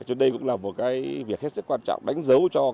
chúng đây cũng là một việc hết sức quan trọng đánh dấu cho